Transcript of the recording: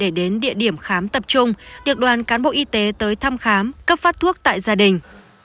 điện biên phủ là một trong số những địa điểm khám tập trung được đoàn cán bộ y tế tới thăm khám cấp phát thuốc tại gia đình